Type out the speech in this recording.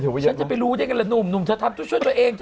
ฉันจะไปรู้ได้ไงล่ะหนุ่มเธอทำช่วยตัวเองเธอ